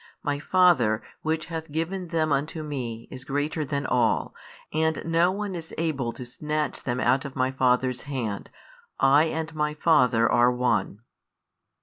My Father, Which hath given them unto Me, is greater than all; and no one is able to snatch them out of My Father's hand. I and My Father are One.